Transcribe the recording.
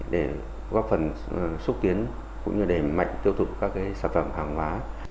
để góp phần xúc tiến cũng như đẩy mạnh tiêu thụ các sản phẩm hàng hóa